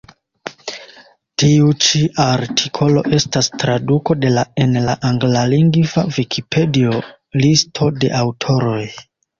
Tiu ĉi artikolo estas traduko de la en la anglalingva vikipedio, listo de aŭtoroj.